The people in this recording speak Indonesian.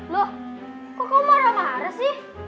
loh kok kamu marah marah sih